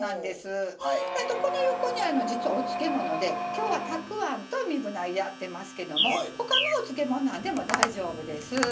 この横に、実はお漬物で、きょうは、たくあんとみぶ菜でやってますけどほかのお漬物なんでも大丈夫です。